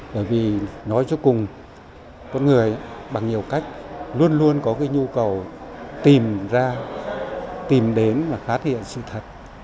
bởi vì nói cho cùng con người bằng nhiều cách luôn luôn có cái nhu cầu tìm ra tìm đến và phát hiện sự thật